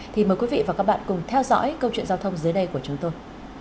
thì mời quý vị và các bạn cùng theo dõi câu chuyện giao thông dưới đây của chúng tôi